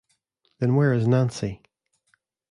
Then where is Nancy?